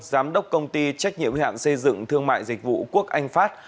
giám đốc công ty trách nhiệm hạn xây dựng thương mại dịch vụ quốc anh pháp